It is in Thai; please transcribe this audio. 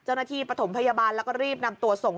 เจ้าหน้าที่ปฐมพยาบาลแล้วก็รีบนำตัวส่ง